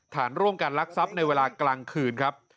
ฐานร่วมกันลักทรัพย์ในเวลากลางคืนครับ